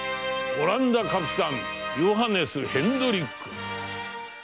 オランダカピタンヨハネス・ヘンドリック。